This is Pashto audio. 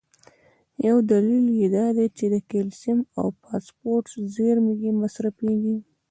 یو دلیل یې دا دی چې د کلسیم او فاسفورس زیرمي یې مصرفېږي.